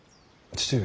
父上！